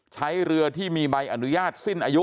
ใช้เรือที่มีใบอนุญาตสิ้นอายุ